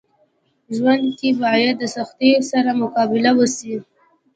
ژوند کي باید د سختيو سره مقابله وسي.